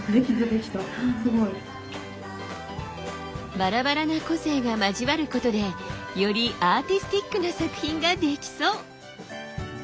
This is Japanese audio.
バラバラな個性が交わることでよりアーティスティックな作品ができそう！